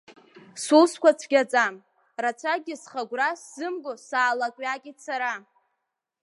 Сусқәа цәгьаӡам, рацәакгьы схы-агәра сзымго саалакҩакит сара.